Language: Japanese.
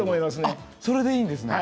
あっそれでいいんですね。